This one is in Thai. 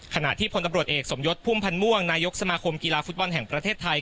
ขณะที่พลตำรวจเอกสมยศพุ่มพันธ์ม่วงนายกสมาคมกีฬาฟุตบอลแห่งประเทศไทย